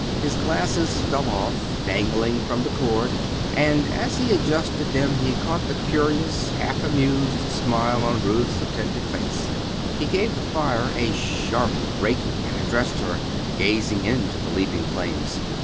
His glasses fell off, dangling from the cord; and as he adjusted them, he caught the curious, half amused smile on Ruth's attentive face. He gave the fire a sharp raking and addressed her, gazing into the leaping flames.